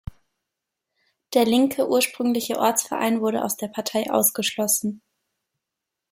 Der linke ursprüngliche Ortsverein wurde aus der Partei ausgeschlossen.